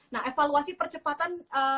nah evaluasi percepatan